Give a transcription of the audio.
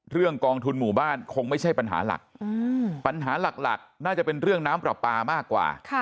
กองทุนหมู่บ้านคงไม่ใช่ปัญหาหลักปัญหาหลักน่าจะเป็นเรื่องน้ำปลาปลามากกว่า